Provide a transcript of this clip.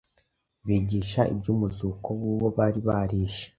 bigisha iby’umuzuko w’uwo bari barishe.